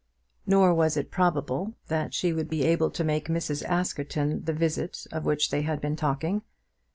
Nor was it probable that she would be able to make to Mrs. Askerton the visit of which they had been talking.